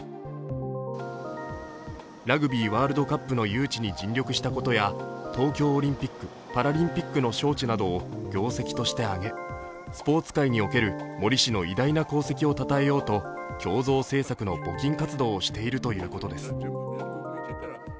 ラグビーワールドカップの誘致に尽力したことや東京オリンピック・パラリンピックの招致などを業績として挙げ、スポーツ界における森氏の偉大な功績をたたえようと胸像制作の募金活動をしているということです。